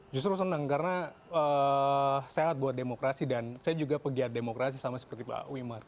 justru senang karena sehat buat demokrasi dan saya juga pegiat demokrasi sama seperti pak wimar